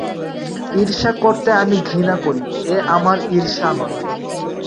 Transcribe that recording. ঈর্ষা করতে আমি ঘৃণা করি, এ আমার ঈর্ষা নয়।